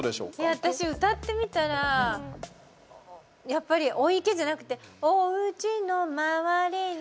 私、歌ってみたらやっぱり「おいけ」じゃなくておうちのまわりに？